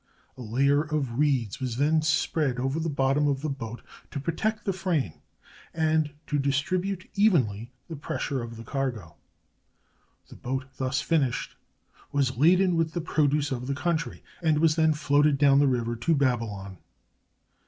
A layer of reeds was then spread over the bottom of the boat to protect the frame, and to distribute evenly the pressure of the cargo. The boat, thus fin ished, was laden with the produce of the country, and was then floated down the river to Babylon.